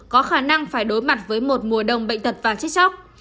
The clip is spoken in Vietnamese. có khả năng phải đối mặt với một mùa đông bệnh tật và chết chóc